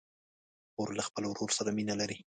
خور له خپل ورور سره مینه لري.